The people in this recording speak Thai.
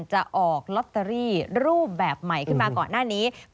จะออกลอตเตอรี่รูปแบบใหม่ขึ้นมาก่อนหน้านี้